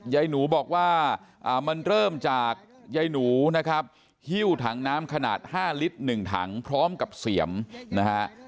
ยายหนูบอกว่ามันเริ่มจากยายหนูนะครับหิ้วถังน้ำขนาด๕ลิตร๑ถังพร้อมกับเสียมนะฮะ